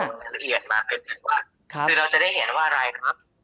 แต่ว่าเรียนมาเป็นว่าคือเราจะได้เห็นว่าอะไรครับ